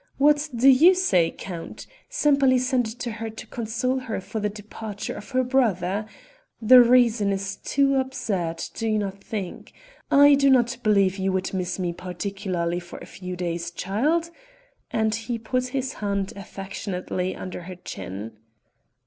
What do you say, Count? Sempaly sent it to her to console her for the departure of her brother. The reason is too absurd, do not you think? I do not believe you would miss me particularly for a few days, child?" and he put his hand affectionately under her chin.